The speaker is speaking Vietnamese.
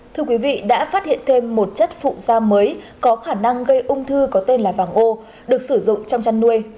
thưa quý vị đã phát hiện thêm một chất phụ da mới có khả năng gây ung thư có tên là vàng o được sử dụng trong chăn nuôi